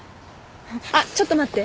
あっちょっと待って。